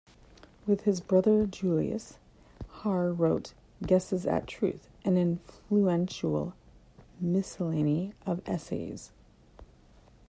With his brother Julius, Hare wrote "Guesses at Truth", an "influential miscellany" of essays.